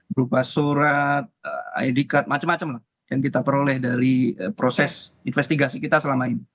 berupa surat id card macam macam lah yang kita peroleh dari proses investigasi kita selama ini